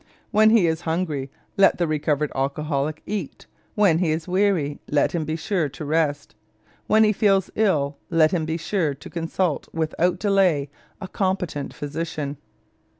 When he is hungry, let the recovered alcoholic eat; when he is weary, let him be sure to rest; when he feels ill, let him be sure to consult without delay a competent physician.